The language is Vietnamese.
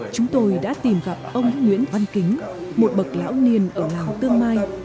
chúng tôi đã tìm gặp ông nguyễn văn kính một bậc lão niên ở làng tương mai